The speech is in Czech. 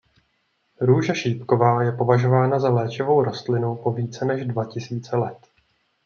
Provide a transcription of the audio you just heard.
Růže šípková je považována za léčivou rostlinu po více než dva tisíce let.